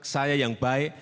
saya yang baik